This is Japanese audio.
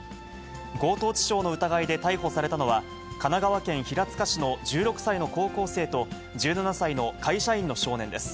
強盗致傷の疑いで逮捕されたのは、神奈川県平塚市の１６歳の高校生と、１７歳の会社員の少年です。